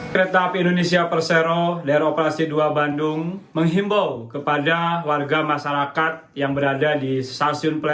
kereta api indonesia persero daerah operasi dua bandung menghimbau kepada warga masyarakat yang berada di stasiun